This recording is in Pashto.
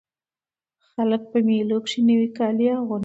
خلک په مېلو کښي نوي کالي اغوندي.